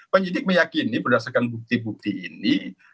penyidik meyakini berdasarkan bukti bukti ini